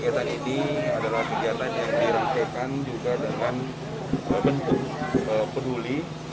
kegiatan ini adalah kegiatan yang dirangkaikan juga dengan bentuk peduli